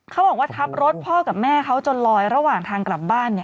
เขาบอกว่าทับรถพ่อกับแม่เขาจนลอยระหว่างทางกลับบ้าน